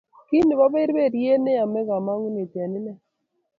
Ki neboberberiet ne yame komangune eng ine